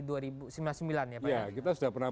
dua ribu sembilan ya pak ya kita sudah pernah